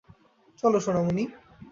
চল, সোনামণি।